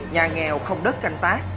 nhà nghèo không đất canh tác